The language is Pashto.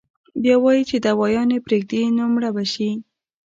بيا وائي چې دوايانې پرېږدي نو مړه به شي -